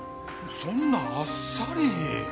そんなあっさり。